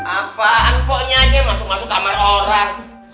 apaan pokoknya aja masuk masuk kamar orang